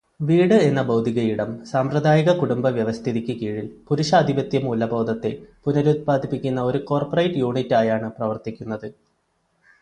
വീട് എന്ന ഭൗതികയിടം സാമ്പ്രദായികകുടുംബവ്യവസ്ഥിതിക്ക് കീഴിൽ പുരുഷാധിപത്യമൂല്യബോധത്തെ പുനരുത്പാദിപ്പിക്കുന്ന ഒരു കോർപറെറ്റ് യൂണിറ്റ് ആയാണ് പ്രവർത്തിക്കുന്നത്.